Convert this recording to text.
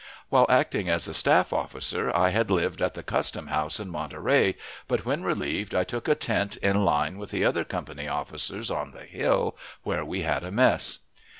While acting as a staff officer I had lived at the custom house in Monterey, but when relieved I took a tent in line with the other company officers on the hill, where we had a mess.